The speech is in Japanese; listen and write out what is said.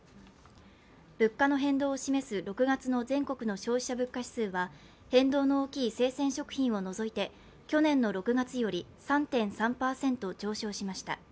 物価の変動を示す６月の全国消費者物価指数は変動の大きい生鮮食品を除いて去年の６月より３．３％上昇しました。